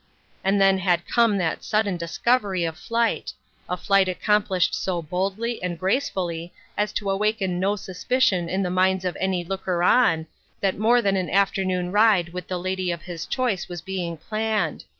And then had come that sudden discovery of flight ; a flight accom plished so boldly and gracefully as to awaken no 222 STORMY WEATHER. suspicion in the minds of any looker on, that more than an afternoon ride with the lady of his choice was being planned.